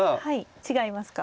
違いますか。